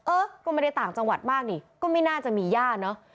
เออก็ไม่ได้ต่างจังหวัดมากนี่ก็ไม่น่าจะมีย่าเนอะ